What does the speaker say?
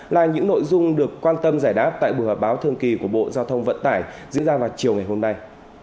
là những nội dung được quan tâm giải đáp tại buổi họp báo thường kỳ của bộ giao thông vận tải diễn ra vào chiều ngày hôm nay